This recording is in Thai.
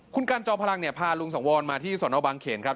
คุณกันจอมพลังเนี่ยพาลุงสังวรมาที่สนบางเขนครับ